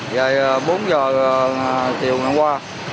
về bốn giờ chiều ngày qua